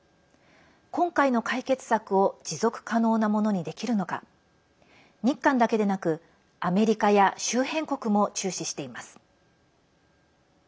今回の解決策を持続可能なものにできるのか日韓だけでなく、アメリカや周辺国も注視しています。